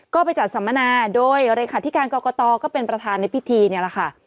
ก็ไปจัดสัมมนาโดยเลขาธิการกรกตก็เป็นประธานในพิธีนี่แหละค่ะ